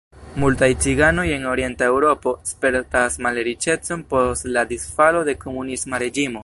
Multaj ciganoj en Orienta Eŭropo spertas malriĉecon post la disfalo de komunisma reĝimo.